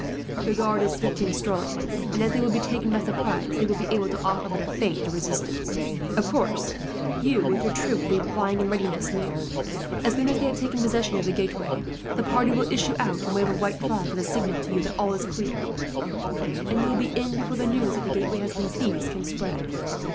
The guard is fifteen strong and, as they will be taken by surprise, they will be able to offer but a faint resistance. "Of course, you with your troop will be lying in readiness near. As soon as they have taken possession of the gateway, the party will issue out and wave a white flag, as a signal to you that all is clear; and you will be in before the news that the gateway has been seized can spread.